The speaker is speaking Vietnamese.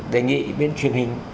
đề nghị bên truyền hình